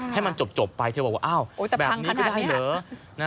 ให้มันจบไปเธอบอกว่าอ้าวแบบนี้ก็ได้เหรอ